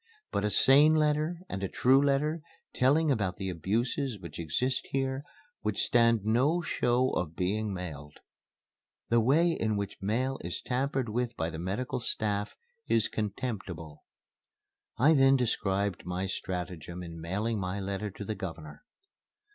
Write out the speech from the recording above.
But a sane letter and a true letter, telling about the abuses which exist here would stand no show of being mailed. The way in which mail is tampered with by the medical staff is contemptible." I then described my stratagem in mailing my letter to the Governor.